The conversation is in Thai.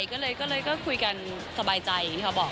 ก็เลยคุยกันสบายใจ